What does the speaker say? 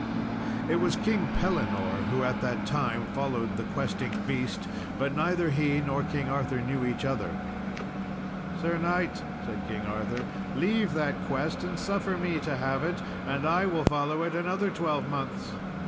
It was King Pellinore who at that time followed the questing beast, but neither he nor King Arthur knew each other. "Sir Knight," said King Arthur, "leave that quest and suffer me to have it, and I will follow it other twelve months."